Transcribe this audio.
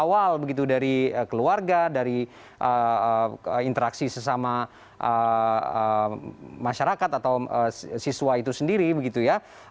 awal begitu dari keluarga dari interaksi sesama masyarakat atau siswa itu sendiri begitu ya